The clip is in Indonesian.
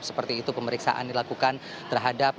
yaitu pemeriksaan dilakukan terhadap